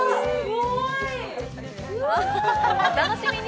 お楽しみに！